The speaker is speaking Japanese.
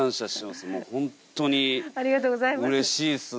ありがとうございます。